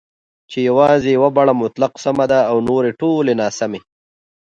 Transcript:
چې یوازې یوه بڼه مطلق سمه ده او نورې ټولې ناسمي